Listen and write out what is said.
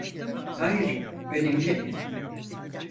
Hayır, önemli.